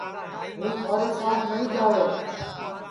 ہوں تھارے سات نائی جاوے